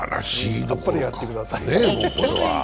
あっぱれやってください。